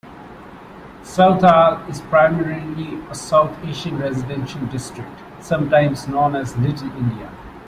Southall is primarily a South Asian residential district, sometimes known as "Little India".